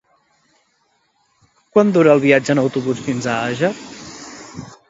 Quant dura el viatge en autobús fins a Àger?